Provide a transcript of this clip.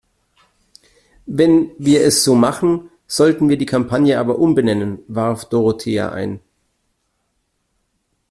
Wenn wir es so machen, sollten wir die Kampagne aber umbenennen, warf Dorothea ein.